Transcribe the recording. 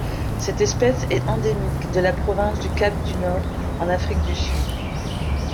Cette espèce est endémique de la province du Cap-du-Nord en Afrique du Sud.